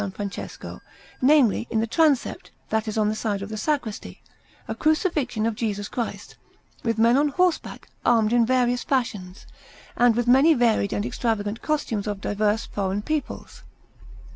Francesco namely, in the transept that is on the side of the sacristy a Crucifixion of Jesus Christ, with men on horseback armed in various fashions, and with many varied and extravagant costumes of diverse foreign peoples.